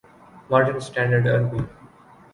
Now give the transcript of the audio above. modern standard Arabi